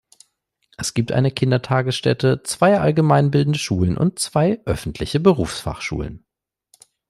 Es gibt eine Kindertagesstätte, zwei allgemeinbildende Schulen und zwei öffentliche Berufsfachschulen.